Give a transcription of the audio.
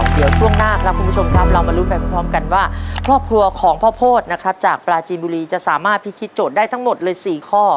เดี๋ยวช่วงหน้าครับคุณผู้ชมครับเรามาลุ้นไปพร้อมกันว่าครอบครัวของพ่อโพธินะครับจากปลาจีนบุรีจะสามารถพิธีโจทย์ได้ทั้งหมดเลย๔ข้อ